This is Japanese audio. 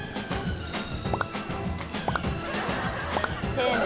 丁寧。